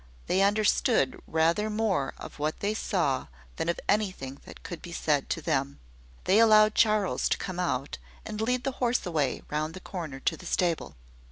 They understood rather more of what they saw than of anything that could be said to them. They allowed Charles to come out, and lead the horse away round the corner to the stable.